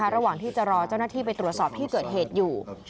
ระหว่างที่จะรอเจ้าหน้าที่ไปตรวจสอบที่เกิดเหตุอยู่